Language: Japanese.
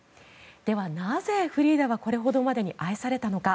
ではなぜフリーダはこれほどまでに愛されたのか。